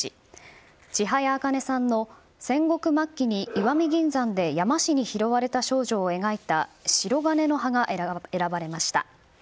千早茜さんの戦国末期に石見銀山で山師に拾われた少女を描いた「しろがねの葉」が選ばれました。